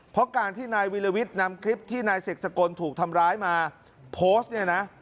เพราะการที่นายวิลวิทย์นำคลิปที่นายเสกสกลถูกทำร้ายมาโพสต์เนี่ยนะ